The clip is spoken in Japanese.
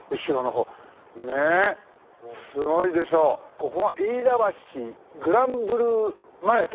ここが飯田橋グラン・ブルーム前と。